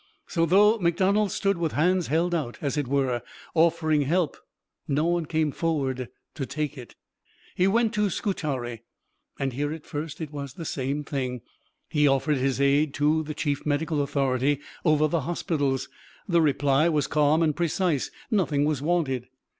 So, though McDonald stood with hands held out, as it were, offering help, no one came forward to take it. He went to Scutari, and here at first it was the same thing. He offered his aid to the chief medical authority over the hospitals; the reply was calm and precise: "Nothing was wanted!"